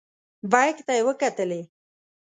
بیک ته یې وکتلې.